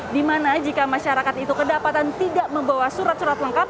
di mana jika masyarakat itu kedapatan tidak membawa surat surat lengkap